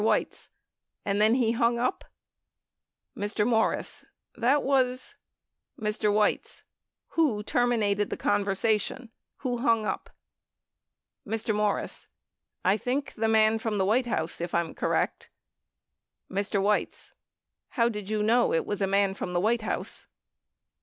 Weitz. And then he hung up ? Mr. Morris. That was Mr. Weitz. Who terminated the conversation ? Who hung up ? Mr. Morris. I think the man from the White House, if I'm correct. Mr. Weitz. How did you know it was a man from the "White House?